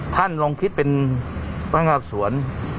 ท่านลงคิดเป็นท่านกราบสวน